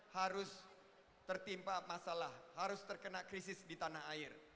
harus tertimpa masalah harus terkena krisis di tanah air